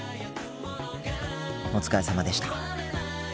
お疲れさまでした。